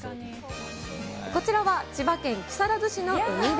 こちらは千葉県木更津市の海辺。